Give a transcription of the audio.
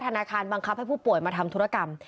ธนาคารบังคับให้ผู้ป่วยมาทำธุรกรรม